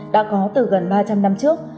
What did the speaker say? đã có từ gần ba trăm linh năm trước